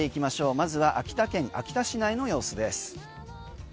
まずは秋田県秋田市内の様子です。